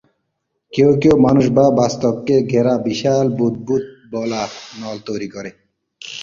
কেউ কেউ মানুষ বা বস্তুকে ঘেরা বিশাল বুদবুদ বা নল তৈরি করে।